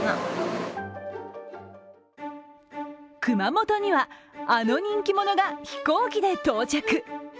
熊本にはあの人気者が飛行機で到着。